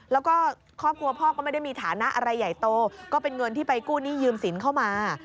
แล้วก็ครอบครัวพ่อก็ไม่ได้มีฐานะอะไรใหญ่โตก็เป็นเงินที่ไปกู้หนี้ยืมสินเข้ามา